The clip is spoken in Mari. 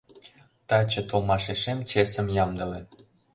— Таче толмашешем чесым ямдыле!